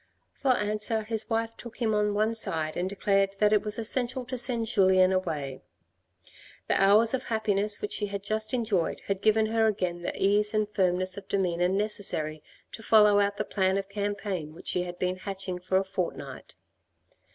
For answer, his wife took him on one side and declared that it was essential to send Julien away. The hours of happiness which she had just enjoyed had given her again the ease and firmness of demeanour necessary to follow out the plan of campaign which she had been hatching for a fortnight.